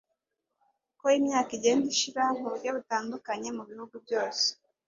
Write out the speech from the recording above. uko imyaka igenda ishira mu buryo butandukanye mu bihugu byose.